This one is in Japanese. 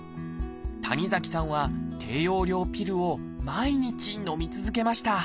谷崎さんは低用量ピルを毎日のみ続けました。